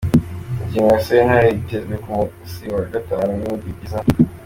Ingingo ya sentare yitezwe ku musi wa gatanu w'indwi iza.